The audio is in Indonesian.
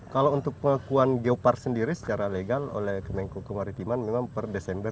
kalau untuk pengakuan geopark sendiri secara legal oleh kemenko kemaritiman memang per desember dua ribu dua puluh